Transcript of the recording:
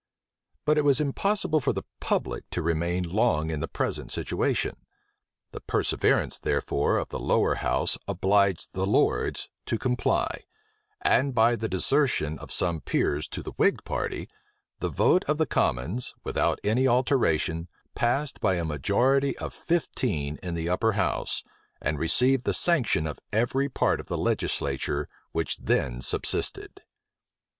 But it was impossible for the public to remain long in the present situation. The perseverance, therefore, of the lower house obliged the lords to comply; and, by the desertion of some peers to the whig party, the vote of the commons, without any alteration, passed by a majority of fifteen in the upper house, and received the sanction of every part of the legislature which then subsisted.